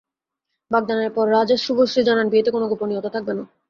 বাগদানের পর রাজ আর শুভশ্রী জানান, বিয়েতে কোনো গোপনীয়তা থাকবে না।